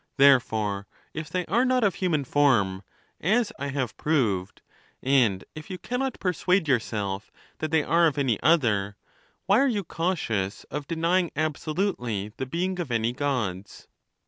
Therefore, if they are not of human form, as I have proved, and if you cannot persuade yourself that they are of any other, why are you cautious of denying absolutely the being of any Gods